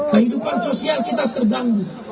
kehidupan sosial kita terganggu